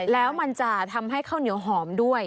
แล้วมันจะทำให้ข้าวเหนียวหอมด้วย